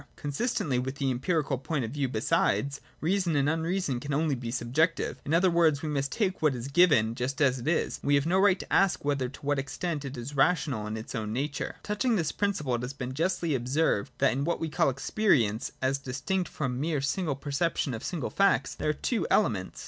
Consistently with the empirical point of view, besides, reason and unreason can only be subjective : in other words, we must take what is given just as it is, and we have no right to ask whether and to what extent it is rational in its own nature. 39.J Touching this principle it has been justly ob served that in what we call Experience, as distinct from mere single perception of single facts, there are two elements.